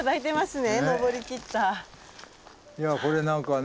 いやこれ何かね。